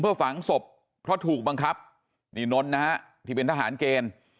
ฝังศพเพราะถูกบังคับนี่นนท์นะฮะที่เป็นทหารเกณฑ์